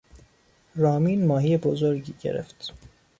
رامین ماهی بزرگی گرفت.